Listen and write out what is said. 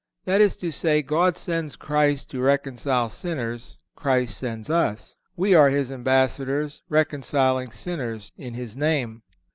(438) That is to say, God sends Christ to reconcile sinners; Christ sends us. We are His ambassadors, reconciling sinners in His name.